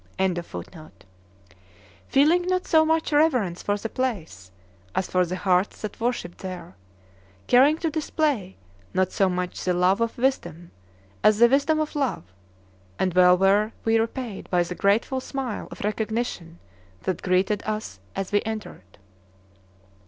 "] feeling not so much reverence for the place as for the hearts that worshipped there, caring to display not so much the love of wisdom as the wisdom of love; and well were we repaid by the grateful smile of recognition that greeted us as we entered.